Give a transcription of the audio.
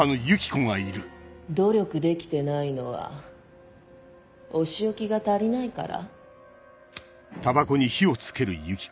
努力できてないのはお仕置きが足りないから？